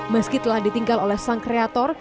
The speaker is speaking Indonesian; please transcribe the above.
meski telah ditinggal oleh sang kreator